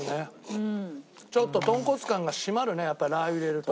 ちょっととんこつ感が締まるねやっぱラー油入れると。